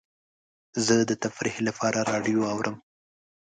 زه د تفریح لپاره راډیو اورم.